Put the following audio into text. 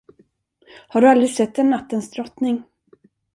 Har du aldrig sett en Nattens drottning?